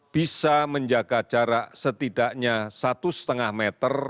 bisa menjaga jarak setidaknya satu lima meter